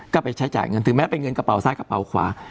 ก็ไปใช้จ่ายเงินถึงแม้เป็นเงินกระเป๋าซ้ายกระเป๋าขวา